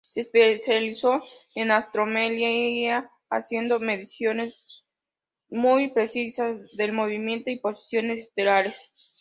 Se especializó en astrometría, haciendo mediciones muy precisas del movimiento y posiciones estelares.